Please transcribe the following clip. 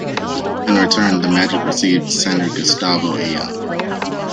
In return the Magic received center Gustavo Ayon.